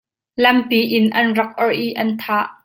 Lampi in an rak orh i an thah.